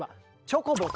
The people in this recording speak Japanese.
チョコボ。